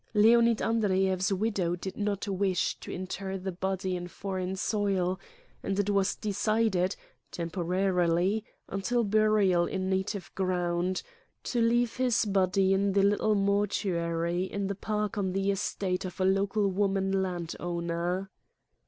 Leonid Andreyev's widow did not wish to inter the body in foreign soil and it was de cided, temporarily, until burial in native ground, to leave his body in the little mortuary in the park on the estate of a local woman landowner.